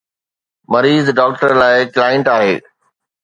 مريض ڊاڪٽر لاء "ڪائنٽ" آهي.